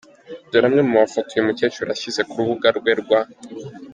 Dore amwe mu mafoto uyu mukecuru yashyize ku rubuga rwe rwa.